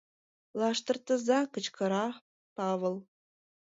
Лаштыртыза! — кычкыра Павыл.